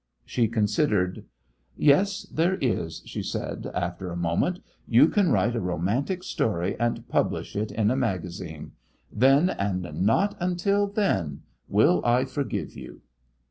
She considered. "Yes, there is," she said, after a moment. "You can write a romantic story and publish it in a magazine. Then, and not until then, will I forgive you."